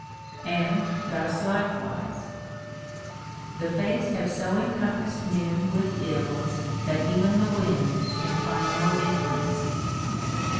And thus likewise :— The Fates have so encompassed men with ills, That even the wind can find no entrance